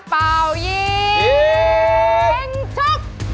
เป่ายิ่ง